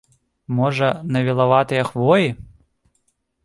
Можа, на вілаватыя хвоі?